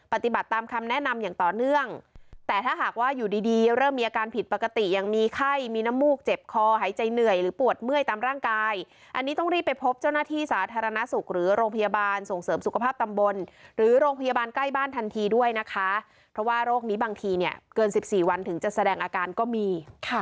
พยาบาลใกล้บ้านทันทีด้วยนะคะเพราะว่าโรคนี้บางทีเนี่ยเกินสิบสี่วันถึงจะแสดงอาการก็มี